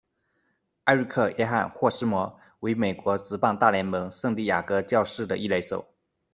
艾瑞克·约翰·霍斯摩，为美国职棒大联盟圣地牙哥教士的一垒手。